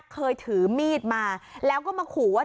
เคยถือมีดมาแล้วก็มาขู่ว่า